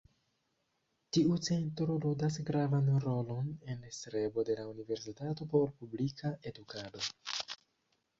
Tiu centro ludas gravan rolon en strebo de la Universitato por publika edukado.